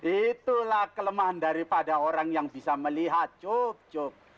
itulah kelemahan daripada orang yang bisa melihat cocok